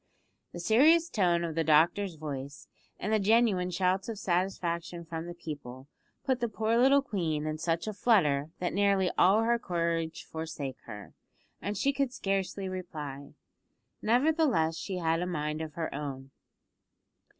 The serious tone of the doctor's voice, and the genuine shouts of satisfaction from the people, put the poor little queen in such a flutter that nearly all her courage forsook her, and she could scarcely reply. Nevertheless, she had a mind of her own.